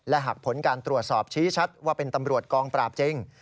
หากผลการตรวจสอบชี้ชัดว่าเป็นตำรวจกองปราบจริง